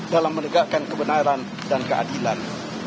dalam menegakkan kebenaran dan keadilan